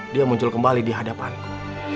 dia muncul kembali di hadapanku